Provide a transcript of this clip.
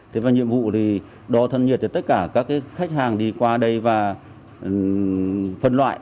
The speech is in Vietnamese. thế và nhiệm vụ thì đo thân nhiệt cho tất cả các khách hàng đi qua đây và phân loại